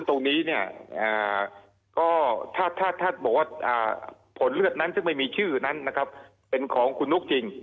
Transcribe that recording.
ตรงนี้ถ้าบอกว่าผลเลือดนั้นซึ่งไม่มีชื่อนั้นเป็นของคุณนุกจริง